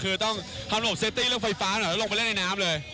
คือต้องขนบเซฟตี้เรื่องไฟฟ้าหน่อยแล้วลงไปเล่นในน้ำเลย